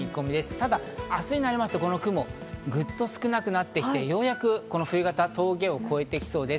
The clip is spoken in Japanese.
ただ明日になりましてこの雲、ぐっと少なくなってきてようやく冬型は峠を越えてきそうです。